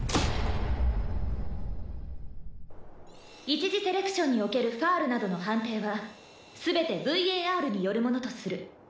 「一次セレクションにおけるファウルなどの判定は全てＶＡＲによるものとする」